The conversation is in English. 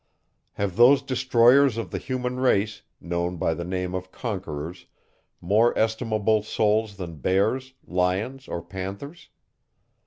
Have those destroyers of the human race, known by the name of conquerors, more estimable souls than bears, lions, or panthers?